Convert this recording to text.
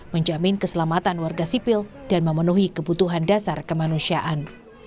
menjamin keselamatan warga sipil dan memenuhi kebutuhan dasar kemanusiaan